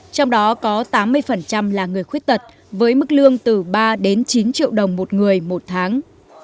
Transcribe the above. trong đó có tám mươi là người khuyết tật với mức lương từ ba đến chín triệu đồng một người một tháng